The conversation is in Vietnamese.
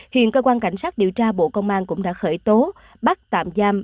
hiện cơ quan cảnh sát điều tra bộ công an cũng đã khởi tố bắt tạm giam